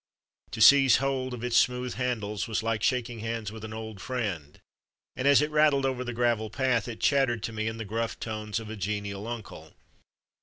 To seize hold of its smooth handles was like shaking hands with an old friend, and as it rattled over the gravel path it chattered to me in the gruff tones of a genial uncle.